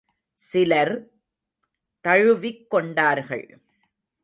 சிலர் தழுவிக் கொண்டார்கள்.